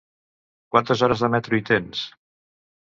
Quantes hores de metro hi tens?